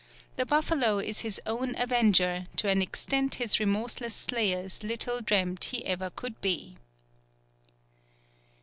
The buffalo is his own avenger, to an extent his remorseless slayers little dreamed he ever could be.